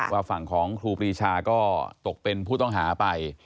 ว่าฝั่งของครูปรีชาก็ตกเป็นผู้ต้องหาไป